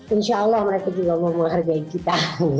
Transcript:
insya allah mereka juga mau menghargai kita